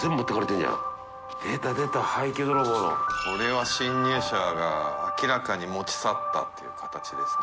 これは侵入者が明らかに持ち去ったっていう形ですね。